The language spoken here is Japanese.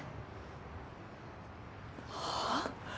はあ？